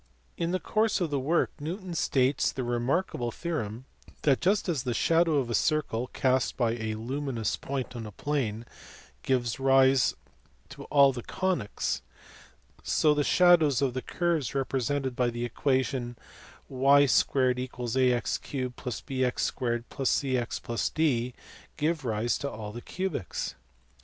In the course of the work Newton states the remarkable theorem that, just as the shadow of a circle (cast by a luminous point on a plane) gives rise to all the conies, so the shadows of the curves represented by the equation y 2 = ax 3 + bx 2 + cx + d give rise to all the cubics.